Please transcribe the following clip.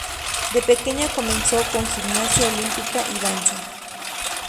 De pequeña comenzó con gimnasia olímpica y danza.